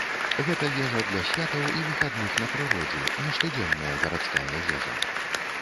Гэта ежа для святаў і выхадных на прыродзе, не штодзённая гарадская ежа.